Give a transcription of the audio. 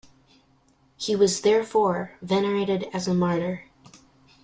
He was, therefore, venerated as a martyr.